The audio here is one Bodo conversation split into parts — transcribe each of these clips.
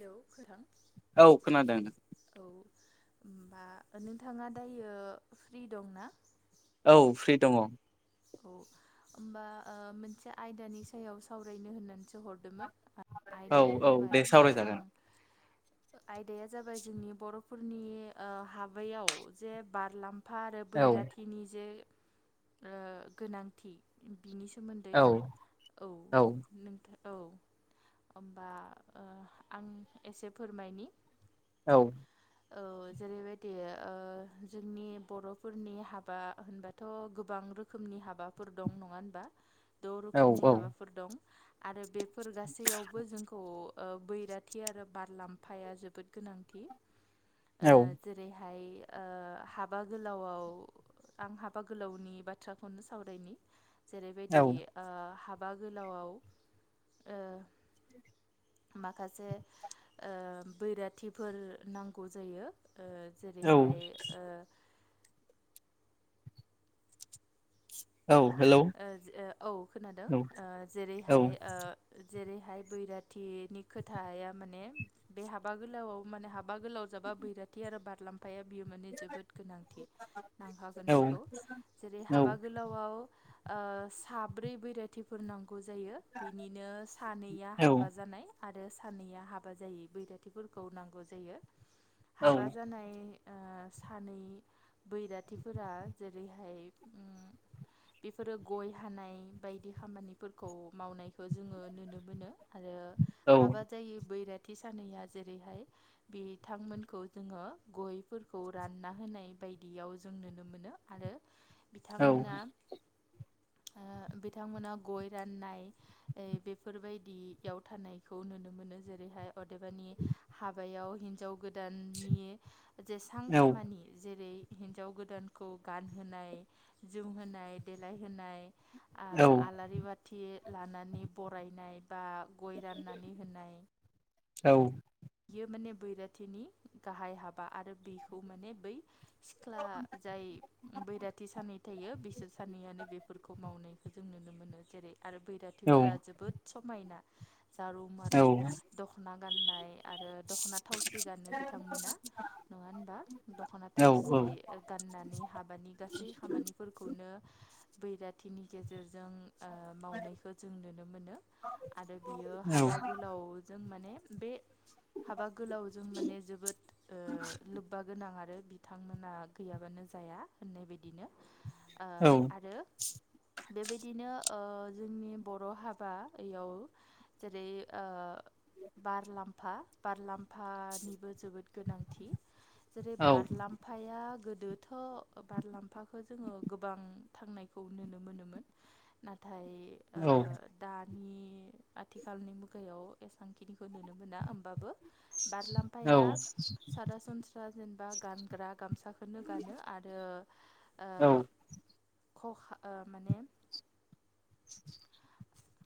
हेल' खथां औ खोनादों औ [unintelligible] होमबा नोंथाङा दायो फ्रि दंना? औ फ्रि दङ। औ होमबा मोनसे आयदानि सायाव सावरायनो होननानैसै हरदोंमोन आयदाया औ दे जाबाय सावरायजागोन आयदाया जाबाय जोंनि बर'फोरनि हाबायाव जे बारलाम फा आरो औ बैराथिनि जे गोनांथि बिनि सोमोन्दै औ औ नोंथां। औ होनबा आं एसे फोरमायनि औ औ जेरैबायदि ओ जोंनि बर'फोरनि हाबा होनबाथ' गोबां रोखोम नि हाफोर दं नङा हबा द औ रोखनि हाबाफोर दं आरो फोर गासैयावबो जोंखौ ओ बैराथि आरो बारलाम्फाया जोबोद गोनांथि ओ जेरै हाय हाबा गोलावआव आं हाबा गोलावनि बा बाथ्राखौनो सावरायनि औ जेरैबायदि हाब हाबा गोलावाव ओ माखासे ओ बैराथिफोर नांगौ जायो। ओ औ जेरैहाय ओ औ हेलौ ओ-ओ-औ खोनादों औ ओ औ जेरैहाय ओ जेरैहाय बैराथिनि खोथाया माने बे हाबा गोलाव माने हाबा माबा गोलाव जाबा बैराथि आरो बा आफफाया बियो माने जोबोद गोनांथि औ नांखागोन बेखौ जेरै हाबा गोलावआव ओ साब्रै बैराइथिफोर नांग जायो बिनिनो सानैया औ हाबा जानाय आरो सानैनैया हाबा जायै बैराथिफोरखौ नांगौ जायो औ हाबा औ जानाय ओ सानै बैराथिफोरा जेरैहाय ओम बेफोरो गय हानाय बायदि खामानिफोरखौ मावनायखौ जोङो नुनो मोनो। आरो हाबा औ जायि बैराथि थि सानैया जेरैहाय बिथांमोनखौ जोङो गयफोरखौ रानना होनाय बा बायदियाव जों नुनो मोनो आरो बिथांमोना ओ बिथांमोना गय राननाय बेफोरबायदियाव थानायखौ नुनो मोनो। जेरैहाय अदेबानि हाबायाव हिनजाव गोदा दाननि जेसां खामानि जेरै हिन्जाव गोदानखौ गानहोनाय जोमहोनाय देलायहोनाय आ आलारि बाथि लानानै बरायनाय बा गय राननानै होनाय औ। बियो माने बैराथिनि गाहाय हाबा आरो बिखौ माने बै सिख्ला जाय बैराथि सानै थायो बिसोर सानैयआानो बे बेफोरखौ मावनायखौ जों नुनो मोनो जेरै आरो बैराथिफोरा जोबोद समायना। जारौ मारौ दख'ना गाननाय। आरो दख'ना थावसि गानो बिथांमोना नङा होनबा दख'ना थावसि गानो। होननानै हाबानि गासै खामानिफोरखौनो बैराथिनि गेजेरजों ओ मावनायखौ जों नुनो मोनो आरो बियो हाबा गोलावजों माने बे हाबा गोलावजों माने जोबोद ओ लोब्बा गोनां आरो बिथांमोना गैयाबानो जाया होननाय बायदिनो ओ आरो बेबायदिनो ओ जोंनि बर' हाबायाव जेरै ओ बारलामफा बारलाम्फानिबो जोबोद गोनांथि जेरै बारलाम्फाया गो दोथ' बारलाम्फाखौ जोङो गोबां थांनायखौ नुनो मोनोमोन। नाथ औ नि आथिखालनि मुगायाव एसां खिनिखौ नुनो मोना। होमबा बारलामफाया सारासनस्रा जेनेबा गानग्रा गामसा खोनो गानो आरो ओ ख'खा ओ माने [inaudible]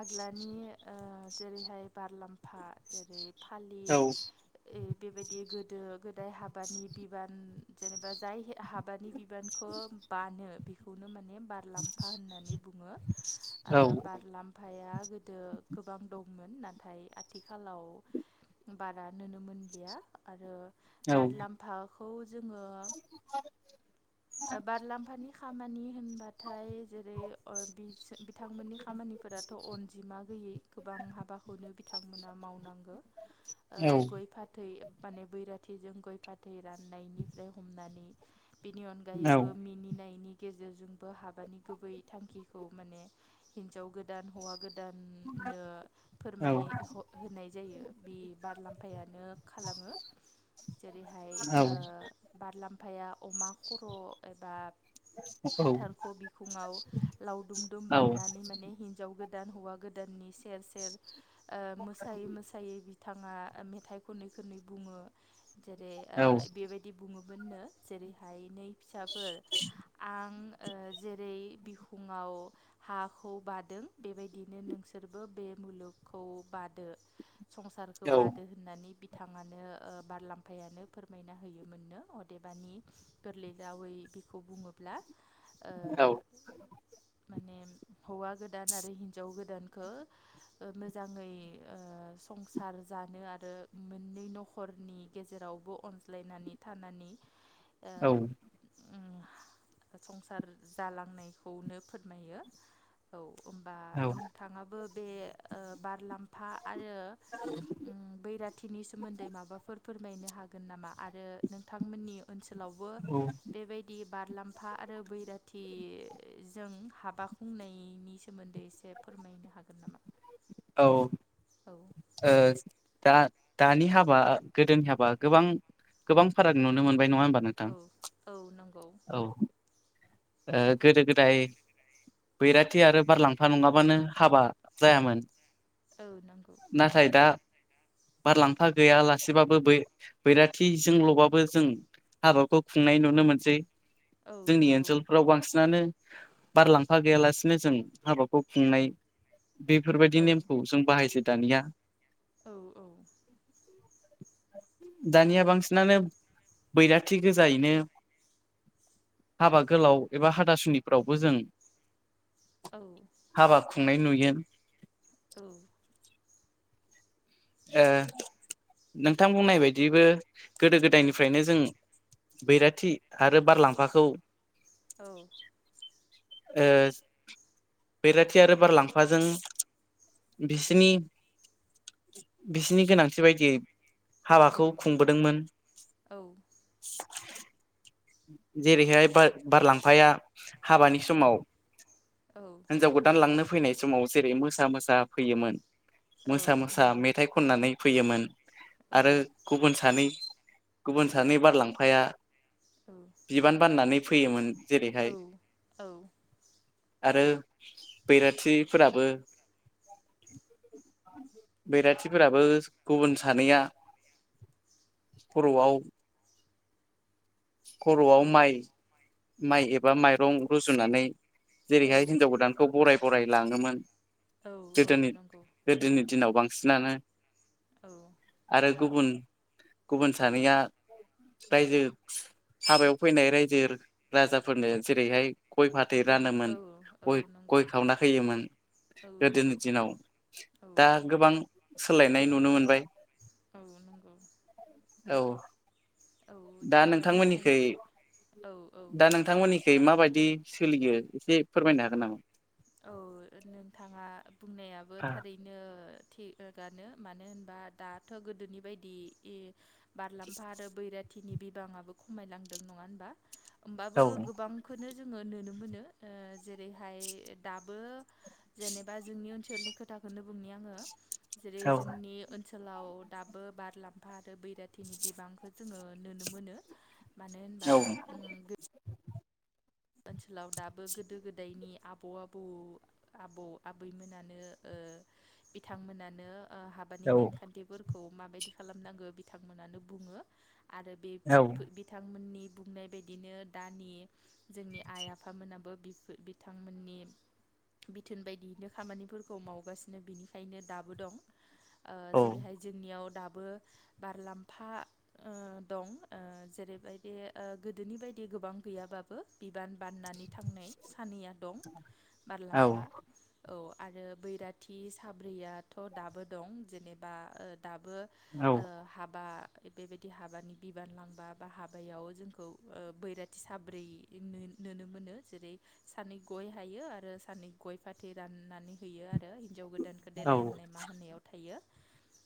आग्लानि ओ जेरैहाय बारलाम्फा जेरै फालि ओ बेबायदि गोदो गोदाय हाबानि बिबान जेनेबा जाय हाबानि बिबानखौ बानो बेखौनो माने बारलाम्फा होननानै बुङो। आ लाम्फाया गोदो गोबां दंमोन। नाथाय आथिखालाव बारा नोनो मोनलिया। आरो बारलाम्फाखौ जोङो ओ बारलाम्फानि खामानि होनबाथाय जेरै अर बिसो बिथांमोन खामानिफोराथ' अनजिमा गैयै गोबां हाबाखौनो बिथांमोना मावनांगो। ओ गय, फाथै माने बैराथिजों गय, फाथै राननायनिफ्राय हमनानै बेनि अनगायैबो मिनिनायनि गेजेरजोंबो हाबानि गुबै थांखिखौ माने हिनजाव गोदान हौवा गोद नो [unintelligible] फोरमाय ह होनाय जायो। बि बारलाम्फायानो खालामो। जेरै हाय ओ बारलामफाया अमा खर' एबा हाथारखौ बिखुङाव लावदुमदुम बान माने हिजाव गोदान हौवा गोदाननि सेर सेर ओ मोसायै मोसायै बि थाङा मेथाइ खनै खोनै बुङो जेरै बेबायदि बुङो मोननो जेरैहाय नै फिसाफोर आं ओ जेरै बिखुङाव औ हाखौ बादों बेबायदिनो नोंसोरबो बे मुलुगखौ बादो। संसारखौ बादो होननानै बि थाङानो ओ बारलामफायानो फोरमायना होयोमोननो अदेबानि गोरलै रावयै बिखौ बुङोब्ला ओ माने हौवा गोदान आरो हिनजाव गोदानखो ओ मोजाङै ओ संसार जानो आरो मोननै न'खरनि गेजेरावबो अनलायनानै थानानै ओ औ उम संसार जालांनायखौनो फोरमायो। औ होमबा नोंथाङाबो बे ओ बारलाम फा आरो उम बैराथिनि सोमोन्दै माबाफोर फोरमायनो हागोन नामा? आरो नोंथांमोननि ओनसोलावबो औ बेबायदि बारलाम्फा आरो बैराथिजों हाबाख बुंनायनि सोमोन्दै एसे फोरमायनो हागोन नामा? औ औ ओ दा दानि हाबा गोदोनि हाबा गोबां गोबां फाराग नुनो मोन बाय नङा होमबा नोंथां? औ औ नंगौ औ ओ गोदो गोदाय बैराथि आरो बारलांफा नङाबानो हाबा जायामोन। औ नंगौ नाथाय दा। बारलांफा गैयालासेबाबो बैराथिजोंल'बाबो जों। हाबाखौ खुंनाय नुनो मोनसै औ जोंनि नंगौ ओनसोलफोराव बांसिनानो। बारलांफा गैयालासिनो जों हाबाखौ खुंनाय। बेफोरबायदि औ नेमखौ जों बाहायसै दानिया। औ औ। दानिया बांसिनानो बैराथि गोजायैनो। हाबा गोलाव एबा हादासुनिफ्रावबो जों। औ हाबा खुंनाय नुयो। औ। नोंथां बुंनाय बायदिबो गोदो औ गोदायनिफ्रायनो जों। बैराथि आरो बारलामलामफाखौ। औ। बेैराथि आरो बार लांफाजों। भिसिनि। बिसिनि गोनांथि बायदियै हाबाखौ खुंबोदोंमोन। औ जेरैहाय ब बारलांफाया। हाबानि समाव औ हिनजाव गोदान लांनो फैनायसै। समाव जेरै मोसा मोसा फैयोमोन। औ मोसा मोसा नंगौ मेथाइ खननानै फैयोमोन औ आरो गुबुन सानै। गुबुन सानै बारलांफाया औ बिबान बाननानै फैयोमोन। जेरैहाय औ औ। आरो बैराथिफोराबो। बैराथिफोराबो गुबुन सानैया। खर'आव। खर'आव माइ माइ एबा माइरं रुजुनानै। जेरैहाय हिन्जाव गोदानखौ बराय बराय लाङोमोन। औ औ गोदोनि नंगौ गोदोनि औ दिनाव बांसिनानो। औ आरो गुबुन गुबुन सानैया रायजो। हाबायाव फैनाय रायजो राजाफोरनो जेरैहाय। गय फाथै गय रानोमोन औ औ गय नंगौ गय खावना होैयोमोन। औ गोदोनि दिनाव औ दा गोबां सोलायनाय नुनो मोनबाय। औ नंगौ। औ। औ दा थिगानो नोंथांमोननिख नों औ औ दा नोंथांमोननिखै माबायदि। सोलियो एसे फोरमायनो हागोन नामा। औ नोंथाङा बुंनायाबो नामा? थारैनो। थि गानो मानो होनबा दाथ' गोदोनि बायदि। बारलामफा आरो बैराथिनि बिबाङाबो खमायलांदों नङा होनबा। होमबाबो औ गोबांखौनो जोङो नुनो मोनो जेरैहाय। दाबो जेनेबा जोंनि ओनसोलनि खोथाखौनो बुंनि आङो। औ जेरै जोंनिओ। ओनसोलाव दाबो बारलाम्फा आरो बैराथिनि बिबांखौ जोङो नुनो मोनो। मानो होनबा। ओनसोलाव दाबो गोदो गोदायनि। आबौ आबौ आबौ आबैमोनानो बिथांमोनानो। औ हाबानि नेमखान्थिफोरखौ माबायदि खालामनांगो बिथांमोनानो बुङो। आरो बे औ बिथांमोननि बुंनाय बायदिनो दानि। जोंनि आइ-आफामोनाबो बि बिथांमोननि बिथोन बायदियैनो खामानिफोरखौ मावगासिनो बिनिखायनो दाबो दं। ओ जेरैहाय जोंनियाव दा बो बारलाम्फा ओ दं ओ जेरैबायदि ओ गोदोनि बायदि गोबां गैयाबाबो। बिबान बाननानै थांनाय सानैया दं औ बारलाम्फा औ। आरो बैराथि साब्रैयाथ' दाबो दं जेनेबा ओ दाबो औ ओ हाबा बेबायदि हाबानि बिबान लांबा बा हाबायाव जोंखौ बैराथि साब्रै नु-नुनो मोनो जेरै सानै गय हायो आरो सानै गय फाथै राननानै होयो आ रो हिन्जाव गोदानखौ औ देलायहोनाय मा होनायाव थायो।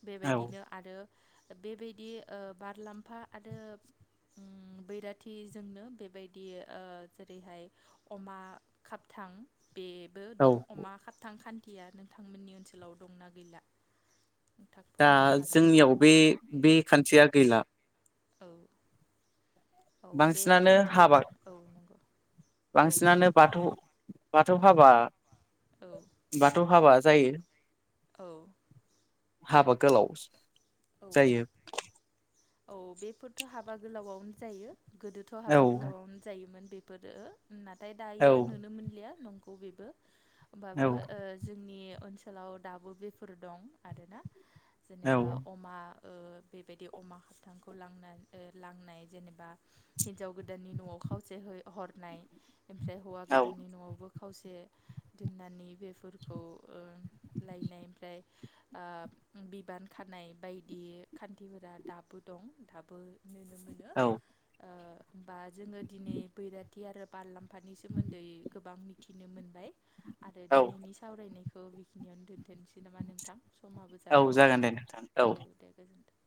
बेबायदिनो आरो बेबायदि ओ बारलाम्फा आरो उम बैराथिजोंनो बेबायदि ओ जेरैहाय अमा खाबथां बेबो औ दं अमा खाबथां खान थिया नोंथांमोननि ओनसोलाव दंना गैला? नोंथां दा फोरमायनो हागोन नामा? जोंनियाव बे-बे खान्थिया गैला। औ औ बे बांसिनानो खान्थि हाबा औ नंगौ। औ बांसिनानो बाथौ बाथौ हाबा औ बाथौ हाबा जायो। औ हाबा गोलाव औ जायो। औ बेफोरथ' हाबा गोलावआवनो जायो गोदोथ' औ हाबा गोलावावनो जायोमोन बेफोरो। नाथाय औ दायो नुनो मोनलिया नंगौ बेबो होमबाबो औ जोंनि ओनसोलाव दाबो बेफोर दं आरोना औ जेनेबा अमा ओ बेबायदि अमा खाबथांखौ लांना लांनाय जेनेबा हिनजाव गोदाननि न'आव खावसे है हरनाय। ओमफ्राय हौवा औ गोदाननि न'आवबो खावसे दोननानै बे फोरखौ ओ लायनाय ओमफ्राय आ बिबान खानाय बायदि खान्थिफोरा दाबो दं दाबो नुनो मोनो औ ओ होमबा जोङो दिनै बैराथि आरो बारलाम्फानि सोमोन्दै गोबां मिथिनो मोनबाय। आरो औ दिनैनि सावरायनायखौ बेखिनियावनो दोनथ'सै नामा नोंथां? समाबो औ जाबाय जागोन दे नोंथां। औ दे गोजोनथों।